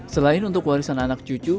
selain untuk warisan anak cucu